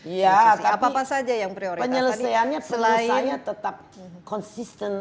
ya tapi penyelesaiannya perlu saya tetap konsisten